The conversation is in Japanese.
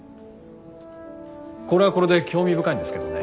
これはこれで興味深いんですけどね。